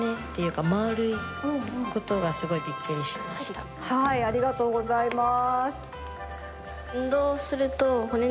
カラダのはいありがとうございます。